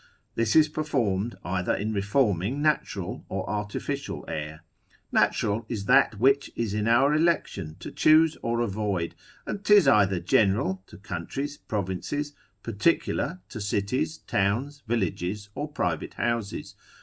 This is performed, either in reforming natural or artificial air. Natural is that which is in our election to choose or avoid: and 'tis either general, to countries, provinces; particular, to cities, towns, villages, or private houses.